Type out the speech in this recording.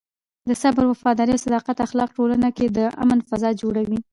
د صبر، وفادارۍ او صداقت اخلاق ټولنه کې د امن فضا جوړوي.